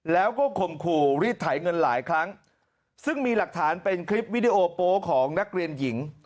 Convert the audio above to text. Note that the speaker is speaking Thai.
แล้วก็ข่มขู่รีดไถเงินหลายครั้งซึ่งมีหลักฐานเป็นคลิปวิดีโอโป๊ของนักเรียนหญิง